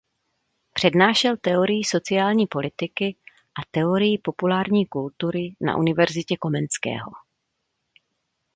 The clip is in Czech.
Přednášel teorii sociální politiky a teorii populární kultury na Univerzitě Komenského.